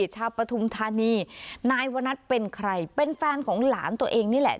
ปฐุมธานีนายวนัทเป็นใครเป็นแฟนของหลานตัวเองนี่แหละ